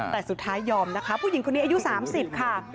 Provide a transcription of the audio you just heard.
แต่สุดท้ายยอมนะคะผู้หญิงคนนี้อายุ๓๐ค่ะ